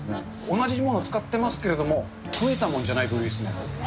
同じものを使っていますけれども、食えたものじゃない部類ですね。